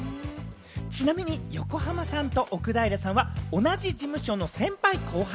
ちなみに横浜さんと奥平さんは、同じ事務所の先輩後輩。